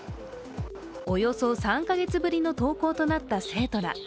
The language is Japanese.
およそ３カ月ぶりの登校となった生徒ら。